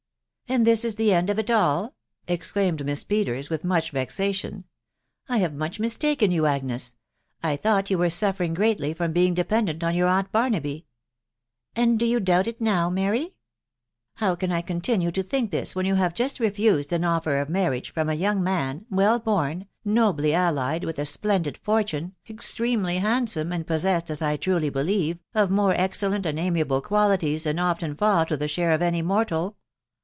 " And this is the end of it all !" exclaimed Misa Peters, with much vexation. " I have much mistaken yon, Agnes .... I thought you were auffonnu, CEetifr} torn waa*& pendent on your aunt Barnaby " I MB WIDOW BABNABT. 271 m <c And do you doubt it now, Mary ?" ft " How can I continue to think this, when you have just bj refused an offer of marriage from a young man, well born, i nobly allied, with a splendid fortune, extremely handsome, and 1 1 possessed, as I truly believe, of more excellent and amiable p qualities than often fall to the share of any mortal?